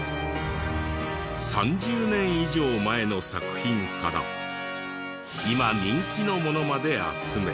３０年以上前の作品から今人気のものまで集め。